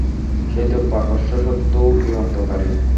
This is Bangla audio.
সে তো প্রকাশ্য শত্রু ও বিভ্রান্তকারী।